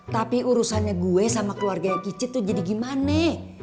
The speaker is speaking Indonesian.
tapi urusannya gue sama keluarga kicit tuh jadi gimane